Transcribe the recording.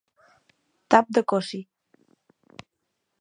Tap de cossi.